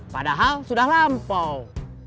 padahal sudah lampau